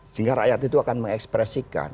sehingga rakyat itu akan mengekspresikan